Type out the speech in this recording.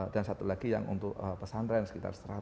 dan satu lagi yang untuk pesantren sekitar seratus